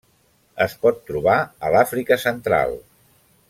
Es pot trobar a l'Àfrica central.